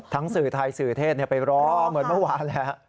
สื่อไทยสื่อเทศไปรอเหมือนเมื่อวานแหละ